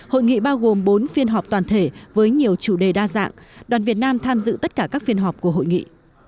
hội nghị bao gồm bốn phiên họp toàn thể với nhiều chủ đề đa dạng đoàn việt nam tham dự tất cả các phiên họp của hội nghị